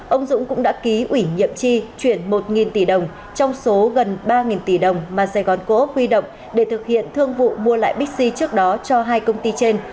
ông dũng cũng đã ký ủy nhiệm tri chuyển một tỷ đồng trong số gần ba tỷ đồng mà sài gòn cô ốc huy động để thực hiện thương vụ mua lại bixi trước đó cho hai công ty trên